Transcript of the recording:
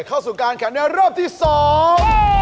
เข้าสู่การแข่งในรอบที่สอง